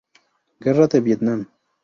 Guerra de Vietnam.